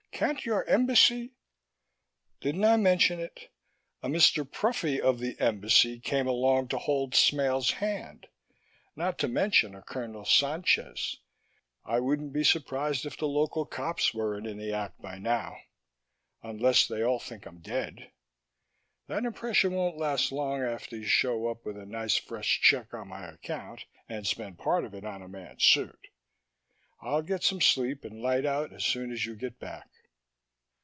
"Can't your embassy " "Didn't I mention it? A Mr. Pruffy, of the Embassy, came along to hold Smale's hand ... not to mention a Colonel Sanchez. I wouldn't be surprised if the local cops weren't in the act by now ... unless they all think I'm dead. That impression won't last long after you show up with a nice fresh check on my account and spend part of it on a man's suit. I'll get some sleep and light out as soon as you get back."